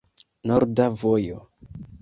Norda vojo.